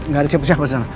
gak ada siapa siapa disana